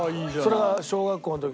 それは小学校の時に。